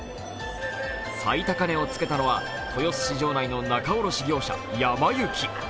最高値をつけたのは豊洲市場内の仲卸業者やま幸。